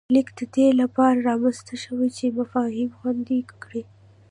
لیک د دې له پاره رامنځته شوی چې مفاهیم خوندي کړي